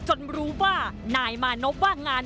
รู้ว่านายมานพว่างงาน